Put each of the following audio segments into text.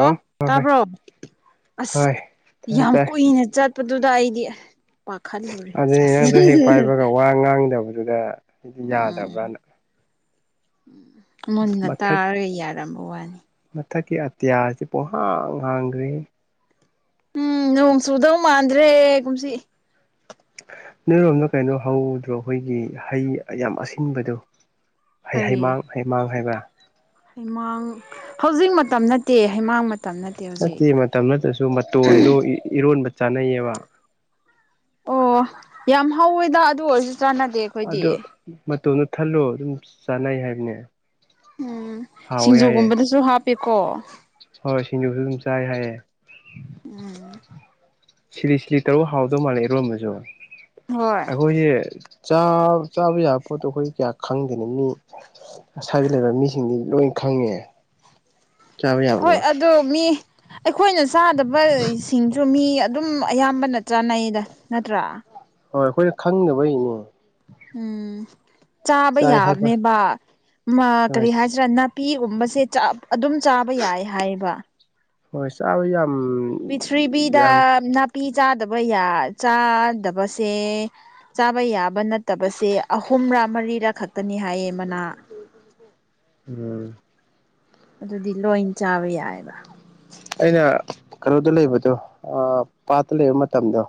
ꯑꯣ ꯍꯣꯏ ꯍꯣꯏ ꯇꯥꯕ꯭ꯔꯣ ꯑꯁ ꯍꯣꯏ ꯇꯥꯏ ꯌꯥꯝ ꯇꯥꯏ ꯀꯨꯏꯅ ꯆꯠꯄꯗꯨꯗ ꯑꯩꯗꯤ ꯄꯥꯈꯠꯂꯨꯔꯦ ꯑꯗꯨꯗꯤ ꯅꯪꯁ ꯍꯦꯛ ꯄꯥꯏꯕꯒ ꯋꯥ ꯉꯥꯡꯗꯕꯗꯨꯗ ꯍꯥꯏꯗꯤ ꯎꯝ ꯌꯥꯗꯕ꯭ꯔꯅ ꯑꯁ ꯃꯨꯟꯅ ꯃꯊꯛ ꯇꯥꯔꯒ ꯌꯥꯔꯝꯕ ꯋꯥꯅꯤ꯫ ꯃꯊꯛꯀꯤ ꯑꯇꯤꯌꯥ ꯑꯁꯤ ꯄꯣꯡꯍꯥꯡ ꯍꯥꯡꯈ꯭ꯔꯦ꯫ ꯎꯝ ꯅꯣꯡ ꯆꯨꯗꯧ ꯃꯥꯟꯗ꯭ꯔꯦ ꯀꯨꯝꯁꯤ꯫ ꯅꯣꯏꯔꯣꯝꯗ ꯀꯩꯅꯣ ꯍꯧꯗ꯭ꯔꯣ ꯑꯩꯈꯣꯏꯒꯤ ꯍꯩ ꯌꯥꯝ ꯑꯁꯤꯟꯕꯗꯣ ꯍꯩ ꯀꯔꯤ ꯍꯩꯃꯥꯡ ꯍꯩꯃꯥꯡ ꯍꯥꯏꯕ꯭ꯔ ꯍꯩꯃꯥꯡ ꯍꯧꯖꯤꯛ ꯃꯇꯝ ꯅꯠꯇꯦ ꯍꯩꯃꯥꯡ ꯃꯇꯝ ꯅꯠꯇꯦ ꯍꯧꯖꯤꯛ ꯅꯠꯇꯦ ꯃꯇꯝ ꯅꯠꯇ꯭ꯔꯁꯨ ꯃꯇꯣꯟꯗꯣ ꯏꯔꯣꯟꯕ ꯆꯥꯅꯩꯌꯦꯕ ꯑꯣ ꯌꯥꯝ ꯍꯧꯋꯦꯗ ꯑꯗꯨ ꯑꯣꯏꯔꯁꯨ ꯆꯥꯟꯅꯗꯦ꯫ ꯑꯩꯈꯣꯏꯗꯤ ꯑꯗꯣ ꯃꯇꯣꯝꯗ ꯊꯜꯂꯣ ꯑꯗꯨꯝ ꯆꯥꯅꯩ ꯍꯥꯏꯕꯅꯦ꯫ ꯎꯝ ꯍꯥꯎꯋꯦ ꯍꯥꯏꯌꯦ ꯁꯤꯡꯖꯨꯒꯨꯝꯕꯗꯁꯨ ꯍꯥꯞꯄꯦꯀꯣ ꯍꯣꯏ ꯁꯤꯡꯖꯨꯁꯨ ꯑꯗꯨꯝ ꯆꯥꯏ ꯍꯥꯏꯌꯦ꯫ ꯎꯝ ꯁꯤꯂꯤ ꯁꯤꯂꯤ ꯇꯧꯔꯒ ꯍꯥꯎꯗꯧ ꯃꯥꯜꯂꯦ ꯏꯔꯣꯟꯕꯁꯨ ꯍꯣꯏ ꯑꯩꯈꯣꯏꯁꯦ ꯆꯥꯕ ꯌꯥꯕ ꯄꯣꯠꯇꯣ ꯑꯩꯈꯣꯏ ꯀꯌꯥ ꯈꯪꯗꯦꯅꯤ ꯃꯤ ꯉꯁꯥꯒꯤ ꯂꯩꯕ ꯃꯤꯁꯤꯡꯗꯤ ꯂꯣꯏ ꯈꯪꯉꯦ꯫ ꯆꯥꯕ ꯌꯥꯕꯗꯣ ꯍꯣꯏ ꯑꯗꯨ ꯃꯤ ꯑꯩꯈꯣꯏꯅ ꯆꯥꯗꯕ ꯁꯤꯡꯁꯨ ꯃꯤ ꯑꯗꯨꯝ ꯑꯌꯥꯝꯕꯅ ꯆꯥꯅꯩꯗ ꯅꯠꯇ꯭ꯔꯥ ꯍꯣꯏ ꯑꯩꯈꯣꯏꯅ ꯈꯪꯅꯕꯩꯅꯦ ꯎꯝ ꯆꯥꯕ ꯆꯥꯏ ꯍꯥꯏꯕ ꯌꯥꯕꯅꯦꯕ ꯑꯃ ꯍꯣꯏ ꯀꯔꯤ ꯍꯥꯏꯁꯤꯔꯥ ꯅꯠ ꯄꯤꯒꯨꯝꯕꯁꯦ ꯑꯗꯨꯝ ꯆꯥꯕ ꯌꯥꯏ ꯍꯥꯏꯕ ꯍꯣꯏ ꯆꯥꯕ ꯌꯥꯝ ꯄꯤꯔꯤꯊ꯭ꯤꯕꯤꯗ ꯌꯥꯝ ꯅꯥꯄꯤ ꯆꯥꯗꯕ ꯆꯥꯗꯕꯁꯦ ꯆꯥꯕ ꯌꯥꯕ ꯅꯠꯇꯕꯁꯦ ꯑꯍꯨꯝꯔꯥ ꯃꯔꯤꯔꯥ ꯈꯛꯇꯅꯤ ꯍꯥꯏꯌꯦ ꯃꯅꯥ ꯎꯝ ꯑꯗꯨꯗꯤ ꯂꯣꯏ ꯆꯥꯕ ꯌꯥꯏꯕ ꯑꯩꯅ ꯀꯩꯅꯣꯗ ꯂꯩꯕꯗꯣ ꯄꯥꯠꯇ ꯂꯩꯕ ꯃꯇꯝꯗꯣ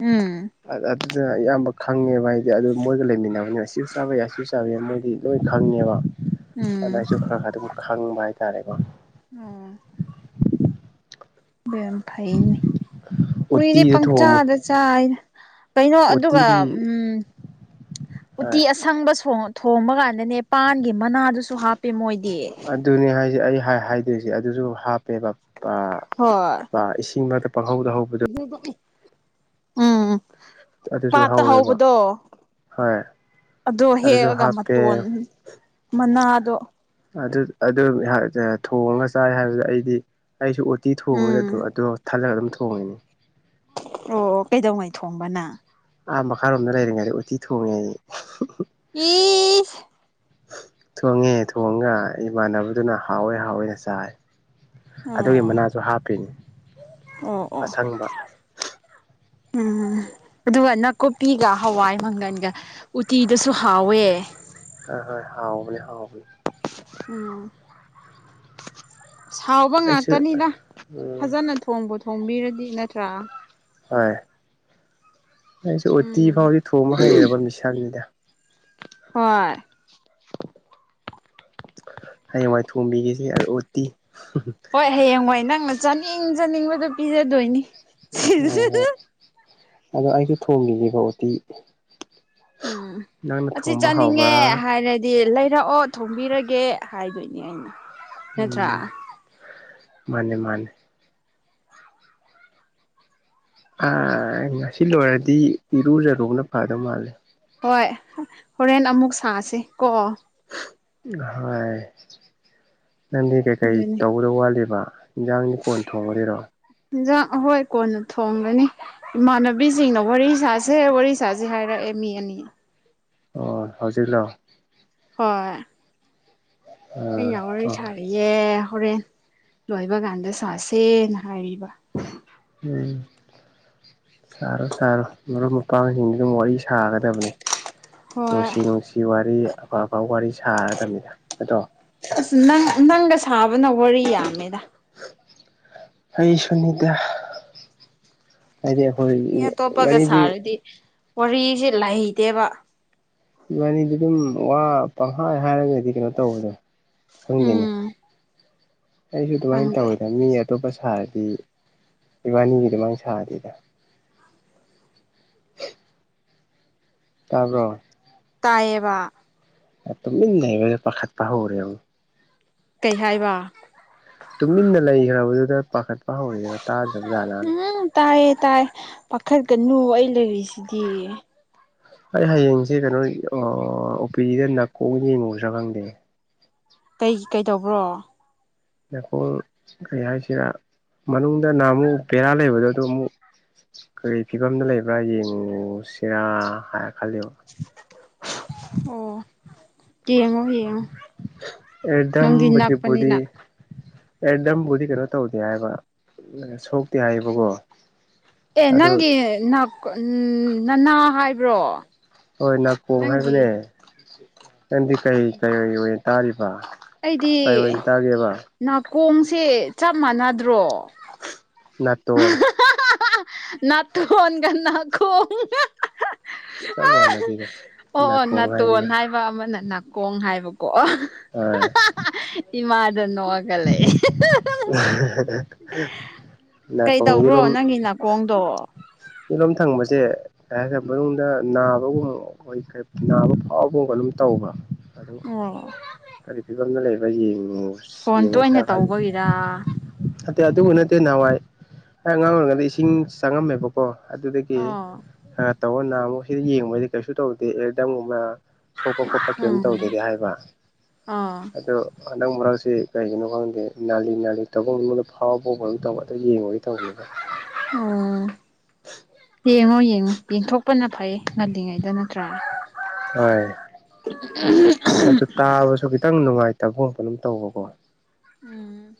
ꯎꯝ ꯑꯗ ꯑꯗꯨꯅ ꯑꯌꯥꯝꯕ ꯈꯪꯉꯦꯕ ꯍꯥꯏꯗꯤ ꯑꯗꯨ ꯃꯣꯏꯒ ꯂꯩꯃꯤꯟꯅꯕꯅꯤꯅ ꯁꯤꯁꯨ ꯆꯥꯕ ꯌꯥꯏ ꯁꯤꯁꯨ ꯆꯥꯕ ꯌꯥꯏ ꯃꯣꯏꯗꯤ ꯂꯣꯏ ꯈꯪꯉꯦꯕ ꯑꯗꯨꯅ ꯎꯝ ꯑꯩꯁꯨ ꯈꯔ ꯈꯔ ꯑꯗꯨꯝ ꯈꯪꯕ ꯍꯥꯏꯇꯥꯔꯦꯀꯣ ꯑꯣ ꯗꯌꯝ ꯐꯩꯅꯦ ꯀꯨꯏꯗꯤ ꯎꯇꯤꯗ ꯊꯣꯡꯉꯨ ꯄꯪꯆꯥꯥꯗ ꯆꯥꯏ ꯀꯩꯅꯣ ꯑꯗꯨꯒ ꯎꯇꯤ ꯎꯝ ꯎꯇꯤ ꯑ ꯑꯁꯪꯕ ꯊꯣꯡꯕ ꯀꯥꯟꯗꯅꯦ ꯄꯥꯟꯒꯤ ꯃꯅꯥꯗꯨꯁꯨ ꯍꯥꯞꯄꯦ ꯃꯣꯏꯗꯤ ꯑꯗꯨꯅꯦ ꯍꯥꯏꯁꯦ ꯑꯩ ꯍꯥꯏꯗꯣꯏꯁꯦ ꯑꯗꯨꯁꯨ ꯍꯥꯞꯄꯦꯕ ꯍꯣꯏ ꯏꯁꯤꯡ ꯃꯔꯛꯇ ꯄꯥꯍꯧꯗ ꯍꯧꯕꯗ ꯎꯝ ꯑꯗꯨꯁꯨ ꯄꯥꯠꯇ ꯍꯧꯋꯦꯕ ꯍꯧꯕꯗꯣ ꯍꯣꯏ ꯑꯗꯨꯗꯣ ꯑꯗꯨꯁꯨ ꯍꯦꯒ ꯃ ꯍꯥꯞꯄꯦ ꯃꯅꯥ ꯑ ꯑꯗꯨ ꯑꯗꯨ ꯑꯗꯨ ꯊꯣꯡꯉꯒ ꯆꯥꯏ ꯍꯥꯏꯕꯗ ꯑꯩꯗꯤ ꯑꯩꯁꯨ ꯎꯇꯤ ꯊꯣꯡꯕꯗ ꯎꯝ ꯑꯗꯨ ꯑꯗꯣ ꯊꯜꯂꯒ ꯑꯗꯨꯝ ꯊꯣꯡꯉꯤꯅꯦ ꯑꯣ ꯀꯩꯗꯧꯉꯩ ꯊꯣꯡꯕꯅ ꯑꯥ ꯃꯈꯥꯔꯣꯝꯗ ꯂꯩꯔꯤꯉꯩꯗ ꯎꯇꯤ ꯊꯣꯡꯉꯦ ꯍꯥꯏ ꯏ ꯊꯣꯡꯉꯦ ꯊꯣꯡꯉ ꯏꯃꯥꯟꯅꯕꯗꯨꯅ ꯍꯥꯎꯋꯦ ꯍꯥꯎꯋꯦꯅ ꯆꯥꯏ ꯑꯗꯨꯒꯤ ꯑꯣ ꯃꯅꯥꯁꯨ ꯍꯥꯞꯄꯤꯅꯤ ꯑꯣ ꯑꯣ ꯑꯁꯪꯕ ꯎꯝ ꯑꯗꯨꯒ ꯅꯥꯀꯨꯞꯄꯤꯒ ꯍꯋꯥꯏ ꯃꯪꯒꯟꯒ ꯎꯇꯤꯗꯁꯨ ꯍꯥꯎꯋꯦ ꯍ ꯍꯣꯏ ꯍꯥꯎꯕꯅꯦ ꯍꯥꯎꯕꯅꯦ ꯎꯝ ꯁꯥꯎꯕ ꯑꯩꯁꯨ ꯉꯥꯛꯇꯅꯤꯗ ꯎꯝ ꯐꯖꯅ ꯊꫭꯡ ꯊꯣꯡꯕꯨ ꯊꯣꯡꯝꯕꯤꯔꯗꯤ ꯅꯠꯇ꯭ꯔꯥ ꯍꯣꯏ ꯑꯩꯁꯦ ꯎꯠꯇꯤ ꯎꯝ ꯐꯥꯎꯗꯤ ꯊꯣꯡꯕ ꯍꯩꯔꯕ ꯃꯤꯁꯝꯅꯤꯗ ꯍꯣꯏ ꯍꯌꯦꯡꯋꯥꯏ ꯊꯣꯝꯕꯤꯈꯤꯁꯤ ꯑ ꯎꯠꯇꯤ ꯍꯣꯏ ꯍꯌꯦꯡ ꯋꯥꯏ ꯅꯪꯅ ꯆꯥꯅꯤꯡ ꯆꯥꯅꯤꯡꯕꯗꯨ ꯄꯤꯖꯗꯣꯏꯅꯤ ꯑ ꯍꯣꯏ ꯑꯗꯣ ꯑꯩꯁꯨ ꯊꯣꯡꯈꯤꯒꯕ ꯎꯇꯤ ꯎꯝ ꯅꯪꯅ ꯑꯁꯤ ꯊꯣꯡꯕ ꯆꯠꯅꯤꯡꯉꯦ ꯍꯥꯎꯕ꯭ꯔꯥ ꯍꯥꯏꯔꯗꯤ ꯑꯗꯨꯗꯤ ꯂꯩꯔꯛꯑꯣ ꯊꯣꯡꯕꯤꯔꯒꯦ ꯍꯥꯏꯗꯣꯏꯅꯦ ꯑꯩꯅ ꯅꯠꯇ꯭ꯔꯥ ꯎꯝ ꯃꯥꯅꯦ ꯃꯥꯅꯦ ꯑꯥ ꯉꯁꯤ ꯂꯣꯏꯔꯗꯤ ꯏꯔꯨꯖꯔꯨꯕꯅ ꯐꯗꯧ ꯃꯥꯜꯂꯦ ꯍꯣꯏ ꯍꯣꯔꯦꯟ ꯑꯃꯨꯛ ꯁꯥꯁꯤ ꯀꯣ ꯍꯣꯏ ꯅꯪꯗꯤ ꯀꯩꯀꯩ ꯑꯗꯨꯅꯤ ꯇꯧꯗ ꯋꯥꯠꯂꯤꯕ ꯏꯟꯁꯥꯡ ꯅꯤ ꯀꯣꯟ ꯊꯣꯡꯉꯔꯤꯔꯣ ꯍꯤꯟꯖꯥꯡ ꯑꯍꯣꯏ ꯀꯣꯟꯅ ꯊꯣꯡꯒꯅꯤ ꯏꯃꯥꯟꯅꯕꯤꯁꯤꯡꯅ ꯋꯥꯔꯤ ꯁꯥꯁꯦ ꯋꯥꯔꯤ ꯁꯥꯁꯦ ꯍꯥꯏꯔꯛꯑꯦ ꯃꯤ ꯑꯅꯤ ꯑꯣ ꯍꯧꯖꯤꯛ ꯂꯣ ꯍꯣꯏ ꯑꯩ ꯑꯥ ꯌꯥꯎꯣꯏ ꯑꯣ ꯁꯥꯔꯤꯌꯦꯦ ꯍꯣꯔꯦꯟ ꯂꯣꯏꯕ ꯀꯥꯟꯗ ꯁꯥꯁꯦꯅ ꯍꯥꯏꯔꯤꯕ ꯎꯝ ꯁꯥꯔꯣ ꯁꯥꯔꯣ ꯃꯔꯨꯞ ꯃꯄꯥꯡꯁꯤꯡꯗꯨ ꯑꯗꯨꯝ ꯋꯥꯔꯤ ꯁꯥꯒꯗꯕꯅꯤ ꯍꯣꯏ ꯅꯨꯡꯁꯤ ꯅꯨꯡꯁꯤ ꯋꯥꯔꯤ ꯑꯐ ꯑꯐꯕ ꯋꯥꯔꯤ ꯁꯥꯔꯗꯕꯅꯤꯅ ꯅꯠꯇ꯭ꯔꫭ ꯑꯁ ꯅꯪ ꯅꯪꯒ ꯁꯥꯕꯅ ꯋꯥꯔꯤ ꯌꯥꯝꯃꯦꯗ ꯑꯩ ꯁꯨꯅꯤꯗ ꯍꯥꯏꯗꯗꯤ ꯍꯣꯏ ꯃꯅꯤꯗꯤ ꯗꯤ ꯋꯥꯔꯤꯁꯤ ꯂꯥꯏꯇ‌ꯦꯕ ꯏꯕꯥꯅꯤꯗꯤ ꯑꯗꯨꯝ ꯋꯥ ꯄꯪꯍꯥꯏ ꯍꯥꯏꯔꯒꯗꯤ ꯀꯩꯅꯣ ꯇꯧꯕꯅꯦ ꯈꯪꯗꯦꯅꯦ ꯎꯝ ꯑꯩꯁꯨ ꯑꯗꯨꯃꯥꯏꯅ ꯈꯪꯗꯦ ꯇꯧꯋꯤꯗ ꯃꯤ ꯑꯇꯣꯞꯄ ꯁꯥꯔꯗꯤ ꯏꯕꯥꯅꯤꯒꯤ ꯑꯗꯨꯃꯥꯏ ꯁꯥꯗꯦꯗ ꯇꯥꯕ꯭ꯔꯣ ꯇꯥꯕ [inaudible] ꯇꯨꯃꯤꯟ ꯂꯩꯒ꯭ꯔꯖꯤꯗ ꯄꯥꯈꯠꯄ ꯍꯧꯔꯦꯕ ꯀꯩ ꯍꯥꯏꯕ ꯇꯨꯃꯤꯟꯅ ꯂꯩꯈ꯭ꯔꯕꯗꯨꯗ ꯄꯥꯈꯠꯄ ꯍꯧꯔꯦꯕ ꯇꯥꯗ꯭ꯔꯕ ꯖꯥꯠꯂꯥꯅ ꯎꯝ ꯇꯥꯏꯌꯦ ꯇꯥꯏ ꯄꯥꯈꯠꯀꯅꯨ ꯑꯩ ꯂꯩꯔꯤꯁꯤꯗꯤ ꯑꯩ ꯍꯌꯦꯡꯁꯦ ꯀꯩꯅꯣ ꯑꯣꯄꯤꯗꯤꯗ ꯅꯀꯣꯡ ꯌꯦꯡꯉꯨꯁꯤꯔ ꯈꯪꯗꯦꯅꯦ ꯀꯩ ꯀꯩ ꯇꯧꯕ꯭ꯔꯣ ꯂꯩꯈꯣꯜ ꯀꯩ ꯍꯥꯏꯁꯤꯔ ꯃꯅꯨꯡꯗ ꯅꯍ ꯑꯃꯨꯛ ꯕꯦꯔꯥ ꯂꯩꯕꯗ ꯑꯗꯨ ꯑꯃꯨꯛ ꯀꯔꯤ ꯐꯤꯕꯝꯗ ꯂꯩꯕ꯭ꯔꯥ ꯌꯦꯡꯉꯨ ꯁꯤꯔꯥ ꯍꯥꯏꯔ ꯈꯜꯂꯤꯕ ꯑꯣ ꯌꯦꯡꯉꯣ ꯌꯦꯡꯉꯣ ꯅꯪꯗꯤ ꯅꯛꯄꯅꯤꯅ ꯑꯦꯔꯗꯝꯕꯨꯗꯤ ꯀꯩꯅꯣ ꯇꯧꯗꯦ ꯍꯥꯏꯕ ꯁꯣꯛꯇꯦ ꯍꯥꯏꯌꯦꯕꯀꯣ ꯑꯦ ꯑꯗꯨ ꯅꯪꯒꯤ ꯅꯅꯥ ꯍꯥꯏꯕ꯭ꯔꯣ ꯍꯣꯏ ꯅꯥꯀꯣꯡ ꯅꯪꯒꯤ ꯍꯥꯏꯕꯅꯦ ꯅꯪꯗꯤ ꯀꯩ ꯀꯩ ꯇꯥꯔꯤꯕ ꯑꯩꯗꯤ ꯀꯩ ꯑꯣꯏꯅ ꯇꯥꯒꯦꯕ ꯅꯥꯀꯣꯡꯁꯦ ꯆꯞ ꯃꯥꯟꯅꯗ꯭ꯔꯣ ꯅꯇꯣꯜ ꯅꯥꯇꫭꯟꯒ ꯅꯈꫭꯡꯒ ꯆꯞ ꯑꯣ ꯃꯥꯟꯅꯕꯤꯗ ꯑꯣ ꯅꯥꯀꯣꯡ ꯅꯥꯇꯣꯟ ꯍꯥꯏꯕꯅꯤ ꯍꯥꯏꯕ ꯑꯃꯅ ꯅ ꯀꯣꯡ ꯍꯥꯏꯕꯀꯣ ꯍꯣꯏ ꯏꯃꯥꯗ ꯅꯣꯛꯑꯒ ꯂꯩꯑꯦ ꯎ ꯀꯩ ꯇꯧꯕ꯭ꯔꯣ ꯅꯪꯒꯤ ꯅꯥꯀꯣꯡꯗꯣ ꯌꯦꯂꯣꯝ ꯊꯪꯕꯁꯦ ꯃꯅꯨꯡꯗ ꯅꯥꯕꯒꯨꯝꯕ ꯑꯩꯈꯣꯏ ꯅꯥꯕ ꯐꯥꯎꯕꯒꯨꯝꯕ ꯑꯗꯨꯝ ꯇꯧꯕ꯭ꯔꯥ ꯑꯗꯨ ꯑꯣ ꯀꯔꯤ ꯐꯤꯕꯝꯗ ꯂꯩꯕ ꯌꯦꯡꯉ ꯌꯦꯡꯉꯨꯁꯤꯔ ꯈꯜꯂꯤꯦ ꯑꯥ ꯑꯠꯇꯦ ꯑꯗꯨꯕꯨ ꯅꯠꯇꯦ ꯅꯍꯥꯟꯋꯥꯏ ꯑꯩ ꯑꯉꯥꯡ ꯑꯣꯏꯔꯤꯉꯩꯗ ꯏꯁꯤꯡ ꯆꯪꯉꯝꯃꯦꯕ ꯀꯣ ꯑꯗꯨꯗꯒꯤ ꯑꯣ ꯈꯔ ꯇꯧꯅ ꯑꯃꯨꯛ ꯁꯤꯗ ꯌꯦꯡꯕꯗꯤ ꯀꯩꯁꯨ ꯇꯧꯗꯦ ꯑꯦꯔꯗꯝꯒꯨꯝꯕ ꯁꯣꯛꯄ ꯈꯣꯠꯄ ꯀꯩꯝ ꯎꯝ ꯇꯧꯗꯦꯗꯤ ꯍꯥꯏꯕ ꯑꯥ ꯑꯗꯣ ꯍꯗꯥꯡ ꯃꯨꯔꯥꯡꯁꯤꯦ ꯀꯥꯏꯅꯣ ꯀꯗꯦ ꯅꯥꯂꯤ ꯅꯥꯂꯤ ꯇꯧꯕꯐꯝ ꯃꯉꯣꯟꯗ ꯐꯥꯎꯕ ꯐꯥꯎꯕꯝ ꯇꯧꯕ ꯑꯗꯨ ꯌꯦꯡꯉꯒꯒꯤ ꯇꯧꯕꯅꯤꯅ ꯑꯣꯝ ꯌꯦꯡꯉꯣ ꯌꯦꯡꯉꯣ ꯌꯦꯟꯊꯣꯛꯄꯅ ꯐꯩ ꯉꯜꯂꯤꯉꯩꯗ ꯅꯠꯇ꯭ꯔꯥ ꯍꯣꯏ ꯑꯗꯨ ꯇꯥꯕꯁꯨ ꯈꯤꯇꯪ ꯅꯨꯡꯉꯥꯏꯇꯕ ꯈꯣꯠꯄ ꯑꯗꯨꯝ ꯇꯧꯕꯀꯣ ꯎꯝ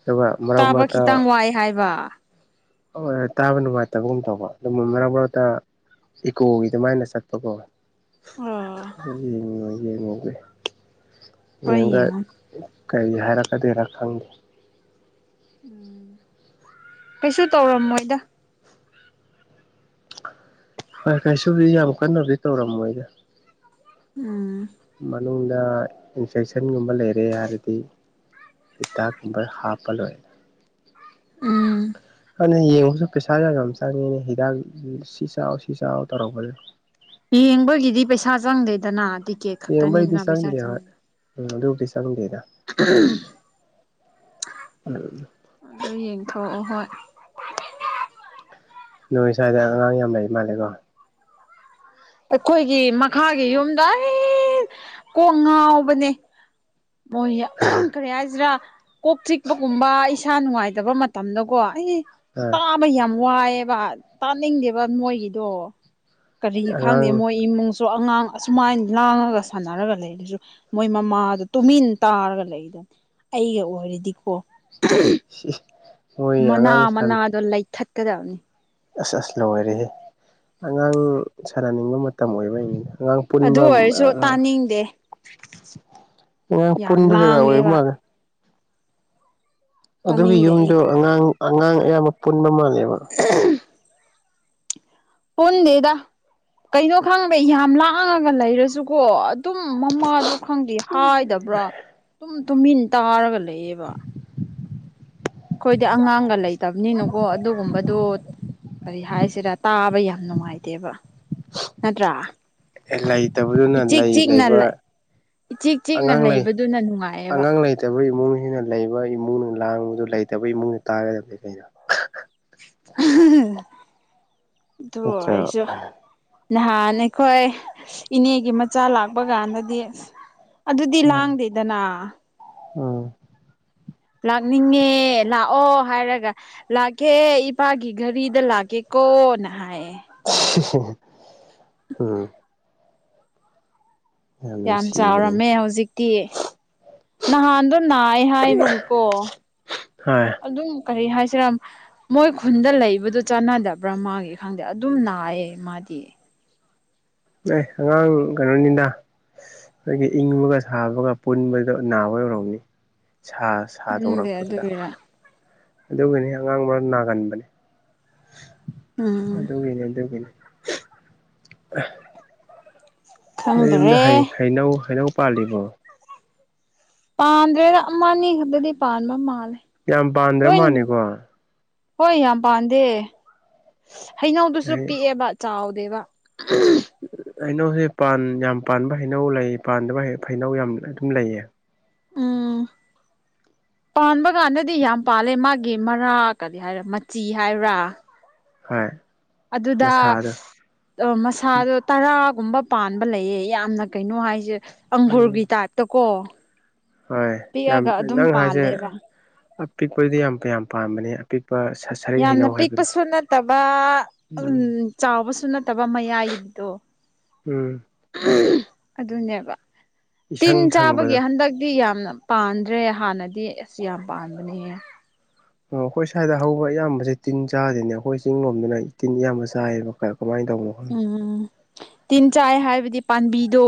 ꯑꯗꯨꯒ ꯃꯔꯛ ꯇꯥꯕ ꯃꯔꯛꯇ ꯈꯤꯇꯪ ꯋꯥꯏ ꯍꯥꯏꯕ ꯍꯣꯏ ꯇꯥꯕ ꯅꯨꯡꯉꯥꯏꯇꯕꯒꯨꯝ ꯇꯧꯕ ꯑꯗꯨ ꯃꯔꯛ ꯃꯔꯛꯇ ꯏꯀꯣꯒꯤ ꯑꯗꯨꯃꯥꯏꯅ ꯆꯠꯄ ꯀꯣꯋꯦ ꯑꯣ ꯍꯣꯏ ꯌꯦꯡꯉꯣ [unintelligible] ꯀꯩ ꯍꯥꯏꯔꯛꯀꯗꯣꯏꯔꯥ ꯈꯪꯗꯦ ꯎꯝ ꯀꯩꯁꯨ ꯇꯧꯔꯝꯃꯣꯏꯗ ꯍꯣꯏ ꯀꯩꯁꯨꯗꯤ ꯌꯥꯝ ꯀꯟꯅꯕꯨꯗꯤ ꯇꯧꯔꯝꯃꯣꯏꯗ ꯎꯝ ꯃꯅꯨꯡꯗ ꯏꯟꯐꯦꯛꯁꯟꯒꯨꯝꯕ ꯂꯩꯔꯦ ꯍꯥꯏꯔꯗꯤ ꯍꯤꯗꯥꯛꯀꯨꯝꯕ ꯍꯥꯞꯄ ꯂꯣꯏꯔ ꯎꯝ [unintelligible] ꯀꯅ ꯌꯦꯡꯕꯁꯨ ꯄꯩꯁꯥ ꯌꯥꯝ ꯌꯥꯝ ꯆꯪꯉꯦꯅ ꯍꯤꯗꯥꯛ ꯁꯤ ꯆꯥꯎ ꯁꯤ ꯆꯥꯎ ꯇꯧꯔꯛꯄꯗꯣ ꯌꯦꯡꯕꯒꯤꯗꯤ ꯄꯩꯁꯥ ꯆꯪꯗꯦꯗꯅ ꯇꯤꯛꯀꯦꯠ ꯌꯦꯡꯕꯩꯗꯤ ꯈꯛꯇꯅꯤꯗꯅ ꯄꯩꯁꯥ ꯆꯪꯗꯦ ꯍꯣꯏ ꯆꯪꯕ ꯎꯝ ꯑꯗꯨꯕꯨꯗꯤ ꯆꯪꯗꯦꯗ ꯎꯝ ꯑꯗꯨ ꯌꯦꯡꯊꯑꯣ ꯍꯣꯏ ꯅꯣꯏ ꯁ꯭ꯋꯥꯏꯗ ꯑꯉꯥꯡ ꯌꯥꯝ ꯂꯩ ꯃꯥꯜꯂꯦꯀꯣ ꯑꯩꯈꯣꯏꯒꯤ ꯃꯈꯥꯒꯤ ꯌꯨꯝꯗ ꯑꯩ ꯀꯣꯡ ꯉꯥꯎꯕꯅꯦ [unintelligible] ꯀꯔꯤ ꯍꯥꯏꯁꯤꯔꯥ ꯀꯣꯛ ꯆꯤꯛꯄꯒꯨꯝꯕ ꯏꯁꯥ ꯅꯨꯡꯉꯥꯏꯇꯕ ꯃꯇꯝꯗꯀꯣ ꯑꯩ ꯑꯥ ꯕ ꯌꯥꯝ ꯋꯥꯏꯑꯦꯕ ꯇꯥꯅꯤꯡꯗꯦꯕ ꯃꯣꯏꯒꯤꯗꯣ ꯀꯔꯤꯒꯤ ꯈꯪꯗꯦ ꯑꯉꯥꯡ ꯃꯣꯏ ꯏꯃꯨꯡ ꯁꯣ ꯑꯉꯥꯡ ꯑꯁꯨꯃꯥꯏꯅ ꯂꯥꯡꯉꯒ ꯁꯥꯟꯅꯔꯒ ꯂꯩ ꯑꯗꯨꯁꯨ ꯃꯣꯏ ꯃꯃꯥꯗ ꯇꯨꯃꯤꯟ ꯇꯥꯔꯒ ꯂꯩꯗꯅ ꯑꯩꯒ ꯑꯣꯏꯔꯗꯤꯀꯣ [unintelligible] ꯃꯅꯥ ꯑꯉꯥꯡ ꯁꯟ ꯃꯅꯥꯗꯣ ꯂꯩꯊꯠꯀꯗꯕꯅꯤ ꯑꯁ ꯑꯁ ꯂꯣꯏꯔꯦꯍꯦ ꯑꯉꯥꯡ ꯁꯔꯅꯤꯡꯕ ꯃꯇꯝ ꯑꯣꯏꯕꯩꯅꯤꯅ ꯑꯉꯥꯡ ꯑꯗꯨ ꯄꯨꯟꯕ ꯑꯣꯏꯔꯁꯨ ꯇꯥꯅꯤꯡꯗꯦ ꯑꯉꯥꯡ ꯌꯥꯝ ꯄꯨꯟꯕ ꯖꯒꯥ ꯑꯣꯏꯕ ꯂꯥꯡꯉꯦꯕ ꯃꯥꯜꯂꯦ ꯑꯗꯨꯒꯤ ꯇꯥꯅꯤꯡꯗꯦ ꯌꯨꯝꯗꯣ ꯑꯩꯗꯤ ꯑꯉꯥꯡ ꯑꯉꯥꯡ ꯑꯌꯥꯝꯕ ꯄꯨꯟꯕ ꯃꯥꯜꯂꯦꯕ [unintelligible] ꯄꯨꯟꯗꯦꯗ ꯀꯩꯅꯣ ꯈꯪꯗꯦ ꯌꯥꯝ ꯂꯥꯡꯉꯒ ꯂꯩꯔꯁꯨꯀꯣ ꯑꯗꯨꯝ ꯃꯃꯥꯗ ꯈꯪꯗꯦ ꯍꯥꯏꯗꯕ꯭ꯔꯥ ꯇꯨꯝ ꯇꯨꯝꯃꯤꯟ ꯇꯥꯔꯒ ꯂꯩꯌꯦꯕ ꯑꯩꯈꯣꯏꯗꯤ ꯑꯉꯥꯡꯒ ꯂꯩꯇꯕꯅꯤꯅꯀꯣ ꯑꯗꯨꯒꯨꯝꯕꯗꯨ ꯀꯔꯤ ꯍꯥꯏꯁꯤꯔ ꯇꯥꯕ ꯌꯥꯝ ꯅꯨꯡꯉꯥꯏꯇꯦꯕ ꯅꯠꯇ꯭ꯔꯥ ꯂꯩꯇꯕꯗꯨꯅ ꯏꯆꯤꯛ ꯂꯩ ꯆꯤꯛꯅ ꯂꯩꯕ ꯂꯩ ꯏꯆꯤꯛ ꯆꯤꯛꯅ ꯑꯉꯥꯡ ꯂꯩ ꯂꯩꯕꯗꯨꯅ ꯅꯨꯡꯉꯥꯏꯌꯦꯕ ꯑꯉꯥꯡ ꯂꯩꯇꯕ ꯏꯃꯨꯡꯁꯤꯅ ꯂꯩꯕ ꯏꯃꯨꯡꯅ ꯂꯥꯡꯕꯗꯨ ꯂꯩꯇꯕ ꯏꯃꯨꯡꯅ ꯇꯥꯒꯗꯕꯅꯤ ꯀꯩꯅꯣ ꯑꯗꯨ ꯅꯠꯇ꯭ꯔꯣ ꯍꯁꯨ ꯅꯍꯥꯟ ꯑꯩꯈꯣꯏ ꯏꯅꯦꯒꯤ ꯃꯆꯥ ꯂꯥꯛꯄ ꯀꯥꯟꯗꯗꯤ ꯑꯗꯨꯗꯤ ꯎꯝ ꯂꯥꯡꯗꯦꯗꯅ ꯎꯝ ꯂꯥꯛꯅꯤꯡꯉꯦ ꯂꯥꯛꯑꯣ ꯍꯥꯏꯔꯒ ꯂꯥꯛꯀꯦ ꯏꯄꯥꯒꯤ ꯘꯔꯤꯗ ꯂꯥꯛꯀꯦꯀꯣꯅ ꯍꯥꯏꯌꯦ ꯃꯥꯗꯣ [unintelligible] ꯌꯥꯝ ꯆꯥꯎꯔꯝꯃꯦ ꯍꯧꯖꯤꯛ ꯗꯦ ꯅꯍꯥꯟꯗꯣ ꯅꯥꯏ ꯍꯥꯏꯕꯕꯨꯀꯣ ꯍꯣꯏ ꯑꯗꯨꯝ ꯀꯔꯤ ꯍꯥꯏꯁꯤꯔ ꯃꯣꯏ ꯈꯨꯟꯗ ꯂꯩꯕꯗꯨꯣ ꯆꯥꯟꯅꯗꯕ꯭ꯔ ꯃꯥꯥꯒꯤ ꯈꯪꯗꯦ ꯑꯗꯨꯝ ꯅꯥꯏꯌꯦ ꯃꯥꯗꯤ ꯑꯦ ꯑꯉꯥꯡ ꯀꯩꯅꯣꯅꯤꯗ ꯑꯩꯈꯣꯏꯒꯤ ꯏꯪꯕꯒ ꯁꯥꯕꯒ ꯄꯨꯟꯕꯗ ꯅꯥꯕ ꯌꯧꯔꯝꯅꯤ ꯁꯥ ꯍꯗꯦ ꯁꯥꯗꯣꯔꯛꯄꯗꯨꯗ ꯑꯗꯨꯗꯥ ꯑꯗꯨꯒꯤꯅꯤ ꯑꯉꯥꯡ ꯃꯔ ꯅꯥꯒꯟꯕꯅꯤ ꯎꯝ ꯑꯗꯨꯒꯤꯅꯦ ꯑꯗꯨꯒꯤꯅꯤ ꯅꯣꯏ ꯌꯨꯝꯗ ꯈꯪꯗ꯭ꯔꯦ ꯍꯩꯅꯧ ꯍꯩꯅꯧ ꯄꯥꯜꯂꯤꯕꯣ ꯄꯥꯟꯗ꯭ꯔꯦꯗ ꯑꯃ ꯑꯅꯤ ꯈꯛꯇꯗꯤ ꯄꯥꯟꯕ ꯃꯥꯜꯂꯦ ꯌꯥꯝ ꯄꯥꯟꯗ꯭ꯔꯦ ꯂꯣꯏ ꯃꯥꯥꯟꯅꯤꯀꯣ ꯍꯣꯏ ꯌꯥꯝ ꯄꯥꯥꯟꯝꯗꯦ ꯍꯩꯅꯧꯗꯨꯁꯨ ꯍꯩ ꯄꯤꯛꯑꯦꯕ ꯆꯥꯎꯗꯦꯕ ꯍꯩꯅꯧꯁꯦ ꯌꯥꯝ ꯄꯥꯟꯕ ꯍꯩꯅꯧ ꯂꯩ ꯄꯥꯟ ꯍꯩꯅꯧ ꯌꯥꯝ ꯑꯗꯨꯝ ꯂꯩꯌꯦ ꯎꯝ ꯄꯥꯟꯕ ꯀꯥꯟꯗꯗꯤ ꯌꯥꯝ ꯄꯥꯜꯂꯦ ꯃꯥꯒꯤ ꯃꯔꯥ ꯀꯔꯤ ꯍꯥꯏꯔꯥ ꯃꯆꯤ ꯍꯥꯏꯕ꯭ꯔꯥ ꯍ ꯑꯗꯨꯗ ꯑ ꯃꯁꯥꯗꯣ ꯇꯔꯥꯒꯨꯝꯕ ꯄꯥꯟꯕ ꯂꯩꯌꯦ ꯌꯥꯝꯅ ꯀꯩꯅꯣ ꯍꯥꯏꯁꯦ ꯑꯪꯒꯨꯔꯒꯤ ꯎꯝ ꯇꯥꯏꯞ ꯠ ꯇꯨꯀꯣ ꯍꯣꯏ ꯌꯥꯝ ꯅꯪ ꯍꯥꯏꯁꯦ ꯄꯥꯜꯂꯦꯕ ꯑꯄꯤꯛꯄꯗꯤ ꯌꯥꯝ ꯌꯥꯝ ꯄꯥꯝꯕꯅꯤ ꯀꯤꯄ ꯁ ꯁ ꯌꯥꯝꯅ ꯄꯤꯛꯄꯁꯨ ꯅꯠꯇꯕ ꯎꯝ ꯆꯥꯎꯕꯁꯨ ꯅꯠꯇꯕ ꯃꯌꯥꯏꯔꯤꯕꯗꯣ ꯎꯝ ꯑꯗꯨꯅꯦꯕ ꯇꯤꯟ ꯏꯁꯪ ꯆꯥꯕꯒꯤ ꯁꯪꯕꯗꯣ ꯍꯟꯗꯛꯇꯤ ꯌꯥꯝꯅ ꯄꯥꯟꯗ꯭ꯔꯦ ꯍꯥꯟꯅꯗꯤ ꯑꯦꯁꯤ ꯌꯥꯝ ꯄꯥꯟꯕꯅꯦ ꯑꯩꯈꯣꯏ ꯁ꯭ꯋꯥꯏꯗ ꯍꯧꯕ ꯑꯌꯥꯝꯕꯁꯦ ꯇꯤꯟ ꯆꯥꯗꯦꯅꯦ ꯑꯩꯈꯣꯏ ꯆꯤꯡ ꯂꯣꯝꯗꯅ ꯇꯤꯟ ꯑꯌꯥꯝꯕ ꯆꯥꯏꯌꯦꯕ ꯀꯃꯥꯏꯅ ꯇꯧꯕꯅꯣ ꯈꯪꯗꯦ ꯎꯝ ꯇꯤꯟ ꯆꯥꯏ ꯍꯥꯏꯕꯗꯤ ꯄꯥꯝꯕꯤꯗꯣ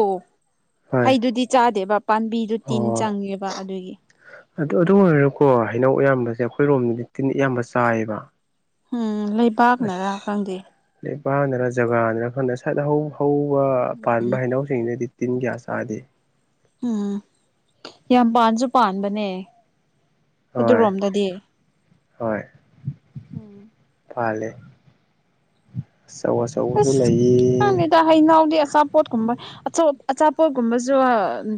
ꯍꯣꯏ ꯍꯩꯗꯨꯗꯤ ꯆꯥꯗꯦꯕ ꯄꯥꯝꯕꯤꯗꯨꯣ ꯇꯤꯟ ꯆꯪꯉꯦꯕ ꯑꯗꯨꯒꯤ ꯑꯗꯨꯗ ꯑꯗꯨꯝ ꯑꯣꯏꯔꯀꯣ ꯍꯩꯅꯧ ꯑꯌꯥꯝꯕꯁꯦ ꯑꯩꯈꯣꯏ ꯔꯣꯝꯗꯗꯤ ꯇꯤꯟ ꯏꯌꯥꯝꯕ ꯆꯥꯏꯌꯦꯕ ꯎꯝ ꯂꯩꯕꯥꯛꯅꯔꯥ ꯈꯪꯗꯦ ꯕꯅꯔ ꯖꯒꯥꯅꯔ ꯈꯪꯅ ꯁꯠ ꯍꯧꯕ ꯄꯥꯟꯕ ꯍꯥꯏꯩꯅꯧ ꯇ꯭ꯔꯔꯤꯅꯦꯗꯤꯇꯤꯟꯒꯦꯌꯥꯥ ꯑꯗꯦ ꯎꯝ ꯌꯥꯝ ꯄꯥꯟꯁꯨ ꯄꯥꯟꯕꯅꯦ ꯑꯗꯨꯔꯣꯝꯗꯗꯤ ꯍ ꯎꯝ ꯐꯦ ꯆ ꯑꯁ ꯈꯪꯗꯦꯗ ꯍꯩꯅꯥꯎꯗꯤ ꯑꯆꯥꯄꯣꯠꯀꯨꯝꯕ ꯑꯆꯥꯄꯣꯠꯀꯨꯝꯕꯁꯨ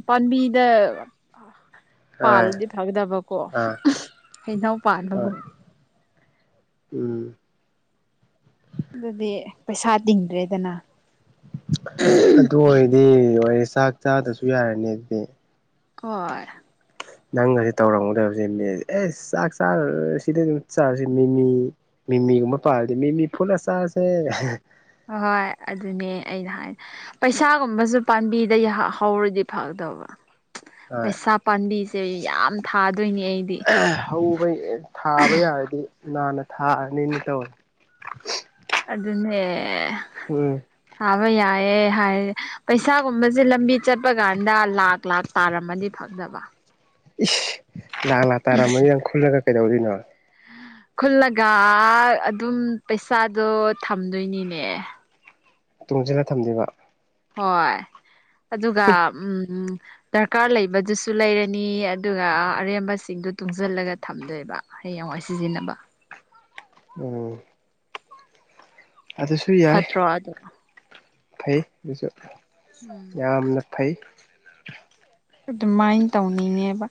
ꯄꯥꯝꯕꯤꯗ ꯍꯣꯏ ꯄꯥꯜꯂꯗꯤ ꯐꯗꯕꯀꯣ ꯑꯥ ꯍꯩꯅꯎ ꯍꯣꯏ ꯄꯥꯜꯂꯒꯨꯝ ꯎꯝ [unintelligible] [inaudible] ꯑꯗꯨꯗꯤ ꯄꯩꯁꯥ ꯇꯤꯡꯗ꯭ꯔꯦꯗꯅ ꯑꯗꯨ ꯑꯣꯏꯔꯗꯤ ꯑꯣꯏꯔꯦ ꯆꯥꯛ ꯆꯥꯗꯁꯨ ꯌꯥꯔꯅꯤ ꯑꯗꯨꯗꯤ ꯍꯣꯏ [unintelligible] [inaudible] ꯅꯪꯁ ꯇꯧꯔꯝꯒꯗꯕꯁꯦ ꯃꯁ ꯑꯦ ꯆꯥꯛ ꯆꯥꯔꯁꯤꯗ ꯑꯗꯨꯝ ꯆꯥꯔꯁꯤ ꯃꯤꯃꯤ ꯃꯤꯃꯤꯒꯨꯝꯕ ꯄꯥꯜꯂꯗꯤ ꯃꯤꯃꯤ ꯐꯨꯠ ꯑꯆꯥꯁꯦ ꯍ ꯍꯣꯏ ꯑꯗꯨꯅꯦ ꯑꯩꯅ ꯍꯥꯏ [inaudible] ꯄꯩꯁꯥꯒꯨꯝꯕꯁꯨ ꯄꯥꯝꯕꯤꯗ ꯍꯧꯔꯗꯤ ꯐꯗꯕ ꯍꯣꯏ ꯄꯩꯁꯥ ꯄꯥꯝꯕꯤꯁꯦ ꯌꯥꯝ ꯊꯥꯗꯣꯏꯅꯦ ꯑꯩꯗꯤ ꯍꯧꯕ ꯊꯥꯕ ꯌꯥꯔꯗꯤ ꯅꯥꯟꯅ ꯊꯥꯔꯅꯤꯅ ꯇꯧꯋꯦ ꯑꯗꯨꯅꯦ ꯎꯝ ꯊꯥꯕ ꯌꯥꯏꯌꯦ ꯍꯥꯏ ꯄꯩꯁꯥꯒꯨꯝꯕꯁꯦ ꯂꯝꯕꯤ ꯆꯠꯄ ꯀꯥꯟꯗ ꯂꯥꯛ ꯂꯥꯛ ꯇꯥꯔꯝꯃꯗꯤ ꯐ ꯊꯗꯕ [unintelligible] [inaudible] ꯏꯁ ꯂꯥꯛ ꯂꯥꯛ ꯇꯥꯔꯝꯃꯅꯤ ꯅꯪ ꯈꯨꯜꯂꯒ ꯀꯩꯗꯧꯔꯤꯅꯣ ꯈꯨꯜꯂꯒ ꯑꯗꯨꯝ ꯄꯩꯁꯥꯗꯣ ꯊꯝꯗꯣꯏꯅꯤꯅꯦ ꯇꯨꯡꯁꯤꯅ ꯊꯝꯕꯤꯕ ꯍꯣꯏ ꯑꯗꯨꯒ ꯎꯝ ꯗꯔꯀꯥꯔ ꯂꯩꯕꯗꯨꯁꯨ ꯂꯩꯔꯅꯤ ꯑꯗꯨꯒ ꯑꯔꯦꯝꯕꯁꯤꯡꯗꯨ ꯇꯨꯡꯁꯤꯜꯂꯒ ꯊꯝꯗꯣꯏꯕ ꯍꯌꯦꯡꯋꯥꯏ ꯁꯤꯖꯤꯟꯅꯕ ꯎꯝ [unintelligible] [inaudible] ꯑꯗꯨꯁꯨ ꯌꯥꯏ ꯍꯗꯣ [unintelligible] [inaudible] ꯐꯩ ꯑꯗꯨꯁꯨ ꯎꯝ ꯌꯥꯝꯅ ꯐꯩ ꯑꯗꯨꯃꯥꯏꯅ ꯇꯧꯅꯤꯡꯉꯦꯕ